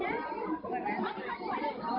เดี๋ยวค่อยไปเดี๋ยวค่อยไป